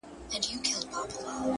o درته ښېرا كومه ـ